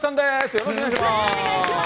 よろしくお願いします。